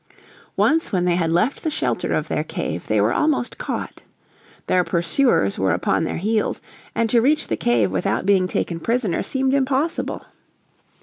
Once when they had left the shelter of their cave they were almost caught. Their pursuers were upon their heels, and to reach the cave without being taken prisoner seemed impossible.